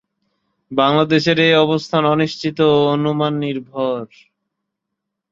বাংলাদেশে এর অবস্থান অনিশ্চিত ও অনুমান নির্ভর।